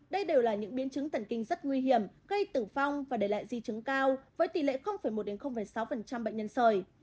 đây đều là những biên chứng thần kinh rất nguy hiểm gây tử vong và để lại di chứng cao với tỷ lệ một sáu bệnh nhân sời